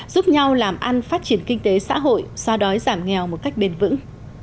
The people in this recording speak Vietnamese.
giúp nhau làm ăn phát triển kinh tế xã hội so đói giảm nghèo một cách bền vững